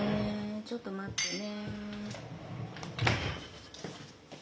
ちょっと待ってね。